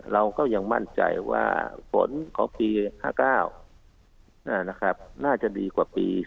เราก็ยังมั่นใจว่าฝนของปี๕๙น่าจะดีกว่าปี๒๕